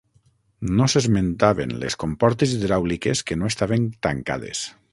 No s'esmentaven les comportes hidràuliques que no estaven tancades.